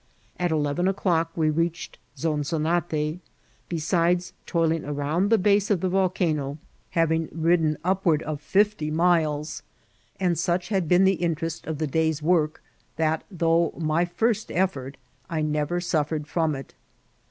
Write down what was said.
At eleven o'clock we reached Zonzonate, besides toil ing around the base of the volcano, having ridden up* Vol. L— T j 830 IKCIDSKT8 or TRATSL. ward of fifty miles ; and such had been tke interest of the day's work, that| though my first effort, I never suf fered firomit.